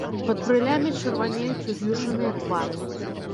Пад брылямі чырванеюць уз'юшаныя твары.